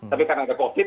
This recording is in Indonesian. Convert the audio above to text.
tapi karena ada covid